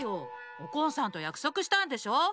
おこんさんとやくそくしたんでしょ？